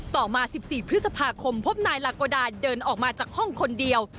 ต่อมา๑๔พฤษภาคมพบนายลาโกดาเดินออกมาจากห้องคนเดียว